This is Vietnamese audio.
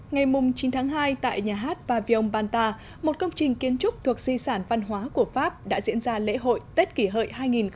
ngày chín tháng hai tại nhà hát vaviong banta một công trình kiến trúc thuộc di sản văn hóa của pháp đã diễn ra lễ hội tết kỷ hợi hai nghìn một mươi chín